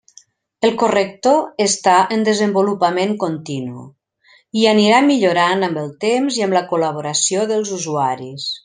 El corrector està en desenvolupament continu, i anirà millorant amb el temps i amb la col·laboració dels usuaris.